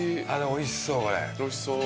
おいしそう。